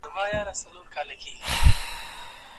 د نړیوالو ډیپلوماټانو لخوا د وګړو لپاره اقدام نه کیږي.